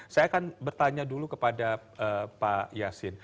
saya akan bertanya dulu kepada pak yasin